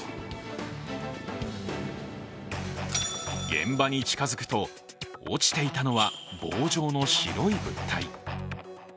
現場に近付くと、落ちていたのは棒状の白い物体。